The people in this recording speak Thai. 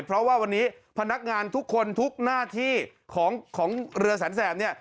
เพราะว่าวันนี้พนักงานทุกคนทุกหน้าที่ของเรือแสนแสบเนี่ย